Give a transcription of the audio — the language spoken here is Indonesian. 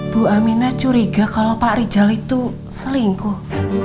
bu amina curiga kalau pak rijal itu selingkuh